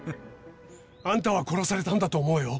あんたは殺されたんだと思うよ。